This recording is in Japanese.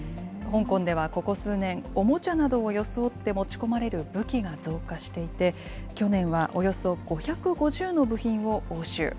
香港ではここ数年、おもちゃなどを装って持ち込まれる武器が増加していて、去年はおよそ５５０の部品を押収。